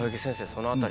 その辺りは？